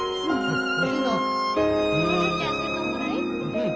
うん。